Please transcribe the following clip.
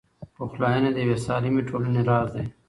پخلاینه د یوې سالمې ټولنې راز دی.